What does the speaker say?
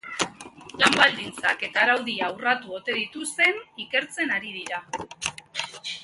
Lan baldintzak eta araudia urratu ote dituzten ikertzen ari dira.